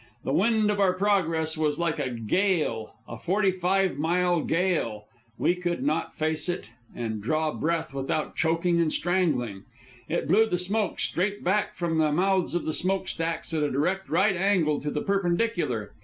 The wind of our progress was like a gale a forty five mile gale. We could not face it and draw breath without choking and strangling. It blew the smoke straight back from the mouths of the smoke stacks at a direct right angle to the perpendicular.